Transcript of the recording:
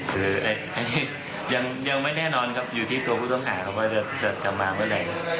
คืออันนี้ยังไม่แน่นอนครับอยู่ที่ตัวผู้ต้องหาครับว่าจะมาเมื่อไหร่